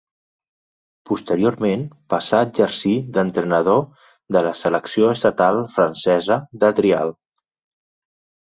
Posteriorment passà a exercir d'entrenador de la selecció estatal francesa de trial.